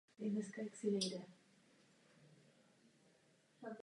Následuje po číslu tři sta devadesát osm a předchází číslu čtyři sta.